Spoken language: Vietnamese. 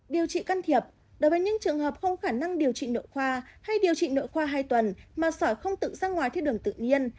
điều trị can thiệp đối với những trường hợp không khả năng điều trị nội khoa hay điều trị nội khoa hai tuần mà sỏi không tự ra ngoài thiết đường tự nhiên